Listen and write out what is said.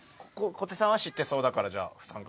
小手さんは知ってそうだからじゃあ不参加。